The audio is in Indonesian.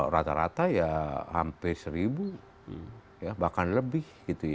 rata rata ya hampir seribu bahkan lebih